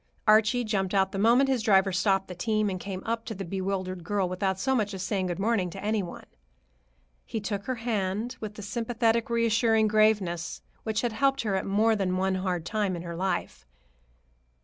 Archie jumped out the moment his driver stopped the team and came up to the bewildered girl without so much as saying good morning to any one. He took her hand with the sympathetic, reassuring graveness which had helped her at more than one hard time in her life.